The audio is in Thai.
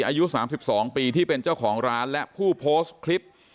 อายุ๓๒ปีที่เป็นเจ้าของร้านและผู้โพสต์คลิป